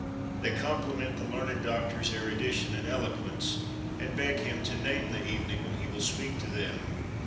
They compliment the learned doctor's erudition and eloquence, and beg him to name the evening when he will speak to them.